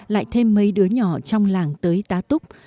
lại thêm mấy đứa nhỏ trong làng tới tá túc